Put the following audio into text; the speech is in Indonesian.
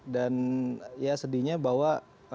dan ya sedihnya bahwa